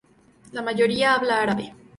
La mayoría habla árabe.